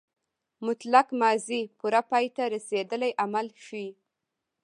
مطلق ماضي پوره پای ته رسېدلی عمل ښيي.